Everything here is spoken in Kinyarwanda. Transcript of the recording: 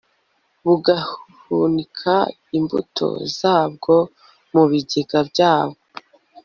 bugahunika imbuto zabwo mu bigega byabo